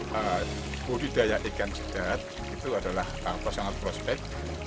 budidaya ikan sidat itu adalah sangat prospek